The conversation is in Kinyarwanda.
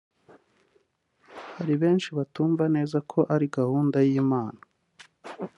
Hari benshi batumva neza ko ari gahunda y’Imana